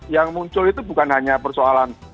yang muncul itu bukan hanya persoalan